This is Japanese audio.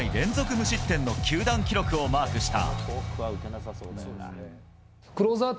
無失点の球団記録をマークした。